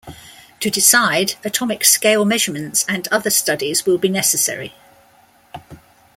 To decide, atomic scale measurements and other studies will be necessary.